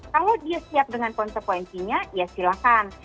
kalau dia siap dengan konsekuensinya ya silahkan